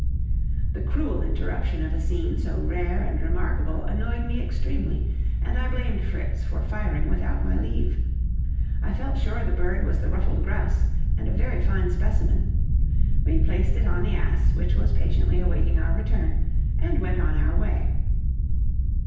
The cruel interruption of a scene so rare and remarkable annoyed me extremely, and I blamed Fritz for firing without my leave. I felt sure the bird was the ruffed grouse, and a very fine specimen. We placed it on the ass, which was patiently awaiting our return, and went on our way.